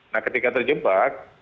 nah ketika terjebak